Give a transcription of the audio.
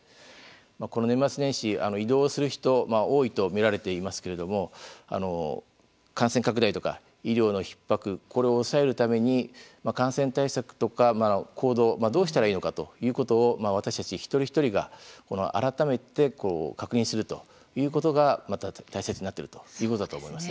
この年末年始、移動する人多いと見られていますけれども感染拡大とか医療のひっ迫これを抑えるために感染対策とか行動どうしたらいいのかということを私たち一人一人が改めて確認するということが大切になってるということだと思いますね。